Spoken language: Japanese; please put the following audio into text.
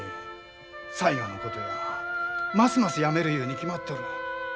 雑賀のことやますますやめる言うに決まっとる。